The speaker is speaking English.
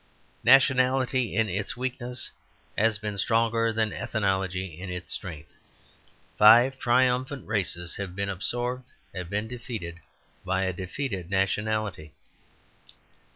Nationality in its weakness has been stronger than ethnology in its strength. Five triumphant races have been absorbed, have been defeated by a defeated nationality.